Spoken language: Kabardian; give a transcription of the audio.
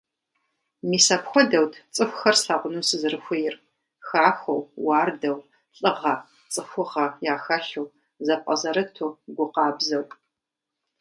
Мис апхуэдэут цӀыхухэр слъэгъуну сызэрыхуейр: хахуэу, уардэу, лӀыгъэ, цӀыхугъэ яхэлъу, зэпӀэзэрыту, гу къабзэу.